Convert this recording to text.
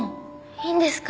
いいんですか？